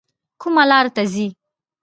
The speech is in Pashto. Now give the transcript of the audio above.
کومه لار ته ځئ؟